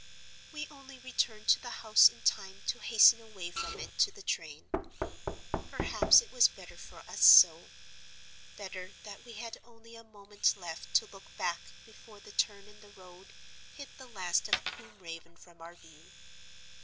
"We only returned to the house in time to hasten away from it to the train. Perhaps it was better for us so—better that we had only a moment left to look back before the turn in the road hid the last of Combe Raven from our view.